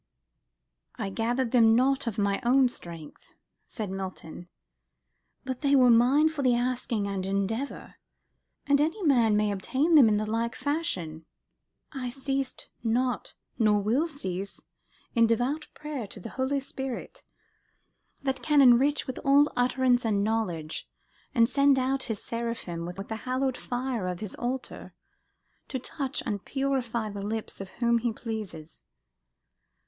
"I gathered them not of mine own strength," said Milton, "but they were mine for the asking and endeavour, and any man may obtain them in like fashion. I ceased not, nor will cease, in devout prayer to the Holy Spirit, that can enrich with all utterance and knowledge, and send out his Seraphim with the hallowed fire of His altar, to touch and purify the lips of whom He pleases.